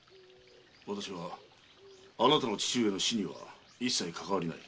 私はあなたの父上の死には一切かかわりない。